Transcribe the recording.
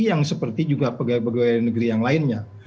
yang seperti juga pegawai pegawai negeri yang lainnya